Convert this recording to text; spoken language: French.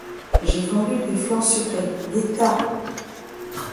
J’ai vendu des flans sucrés, des tas.